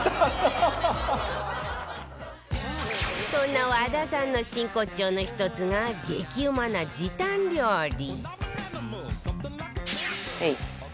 そんな和田さんの真骨頂の１つが激うまな時短料理